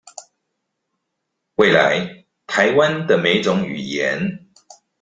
未來臺灣的每種語言